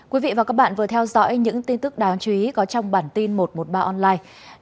quý vị và các bạn vừa theo dõi những tin tức đáng chú ý có trong bản tin một trăm một mươi ba online